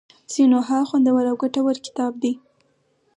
سینوهه خوندور او ګټور کتاب دی.